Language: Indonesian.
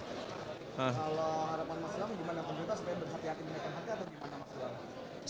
kalau harapan masyarakat gimana pemerintah supaya berhati hati naikkan harga atau gimana masyarakat